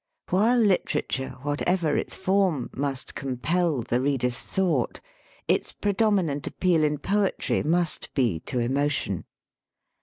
While literature, whatever its form, must compel the reader's thought, its predominant appeal in poetry must be to emotion.